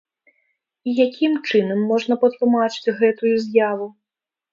І якім чынам можна патлумачыць гэтую з'яву?